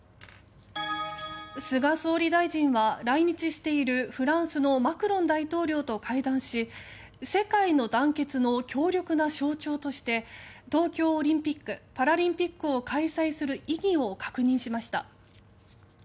菅総理大臣は、来日しているフランスのマクロン大統領と会談し世界の団結の強力な象徴として東京オリンピック・パラリンピックを開催する意義を確認しました。